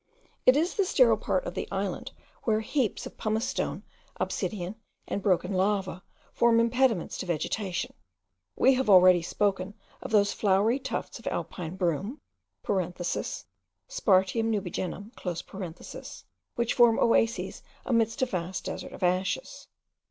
It is the sterile part of the island where heaps of pumice stone, obsidian, and broken lava, form impediments to vegetation. We have already spoken of those flowery tufts of alpine broom (Spartium nubigenum), which form oases amidst a vast desert of ashes.